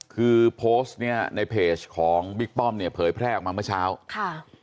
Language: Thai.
คือโพสต์เนี้ยในเพจของบิ๊กป้อมเนี่ยเผยแพร่ออกมาเมื่อเช้าค่ะ